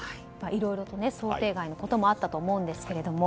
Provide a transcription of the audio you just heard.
いろいろと想定外のこともあったと思うんですけれども